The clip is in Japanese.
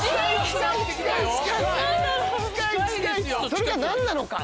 それが何なのか？